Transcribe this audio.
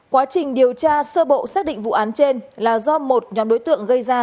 quá trình điều tra sơ bộ xác định vụ án trên là do một nhóm đối tượng gây ra